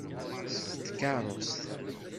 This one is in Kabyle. S tkeṛṛust!